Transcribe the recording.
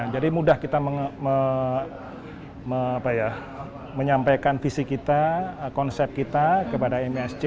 jadi mudah kita menyampaikan visi kita konsep kita kepada misc